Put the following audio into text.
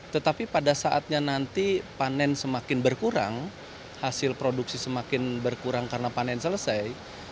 tetapi pada saatnya nanti panen semakin berkurang hasil produksi semakin berkurang karena panen selesai